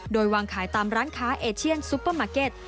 โดยวางขายตามร้านค้าเอเชียนซุปเปอร์มาร์เก็ต